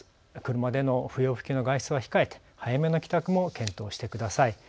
車での不要不急の外出は控えて早めの帰宅も検討してください。